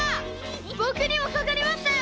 ぼくにもかかりましたよ！